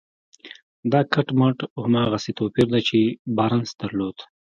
دا کټ مټ هماغسې توپير دی چې بارنس درلود.